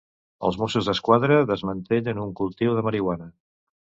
Els Mossos d'Esquadra desmantellen un cultiu de marihuana.